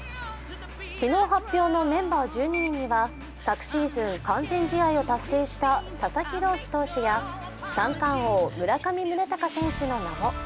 昨日発表のメンバー１２人には、昨シーズン、完全試合を達成した佐々木朗希投手や三冠王・村上宗隆選手の名も。